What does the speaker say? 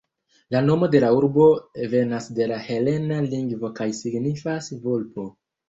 La nomo de la urbo venas de la helena lingvo kaj signifas "vulpo".